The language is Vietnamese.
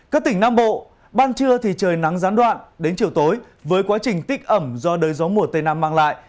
các tỉnh nam bộ ban trưa thì trời nắng gián đoạn đến chiều tối với quá trình tích ẩm do đời gió mùa tây nam mang lại